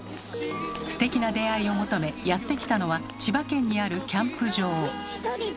ステキな出会いを求めやって来たのは千葉県にあるキャンプ場。